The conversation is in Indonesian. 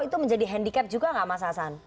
itu menjadi handicap juga gak mas hasan